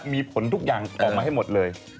มีผลทุกอย่างออกมาให้หมดเลย